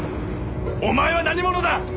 お前は何者だ！